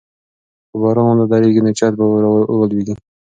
که باران ونه دريږي نو چت به راولوېږي.